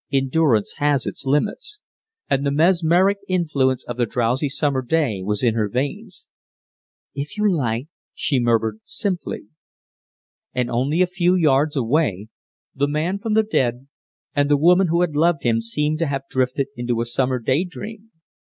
Endurance has its limits, and the mesmeric influence of the drowsy summer day was in her veins. "If you like," she murmured, simply.... And only a few yards away, the man from the dead and the woman who had loved him seemed to have drifted into a summer day dream.